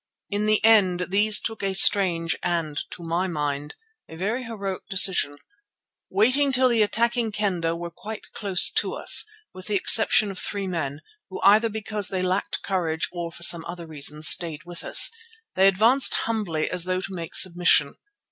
In the end these took a strange and, to my mind, a very heroic decision. Waiting till the attacking Kendah were quite close to us, with the exception of three men, who either because they lacked courage or for some other reason, stayed with us, they advanced humbly as though to make submission.